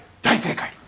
大正解！